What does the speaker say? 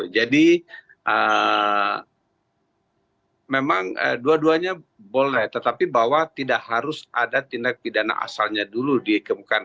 jadi memang dua duanya boleh tetapi bahwa tidak harus ada tindak pidana asalnya dulu dikembangkan